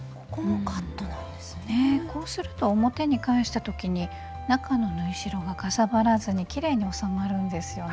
こうすると表に返した時に中の縫い代がかさばらずにきれいに収まるんですよね。